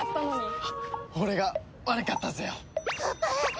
俺が悪かったぜよ。